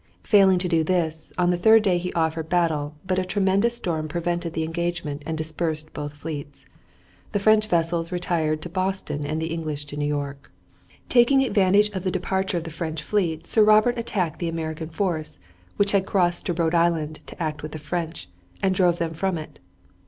Failing to do this, on the third day he offered battle, but a tremendous storm prevented the engagement and dispersed both fleets. The French vessels retired to Boston and the English to New York. Taking advantage of the departure of the French fleet, Sir Robert attacked the American force, which had crossed to Rhode Island to act with the French, and drove them from it.